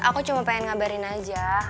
aku cuma pengen ngabarin aja